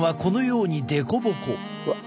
うわっ。